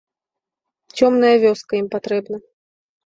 Цёмная вёска ім патрэбна.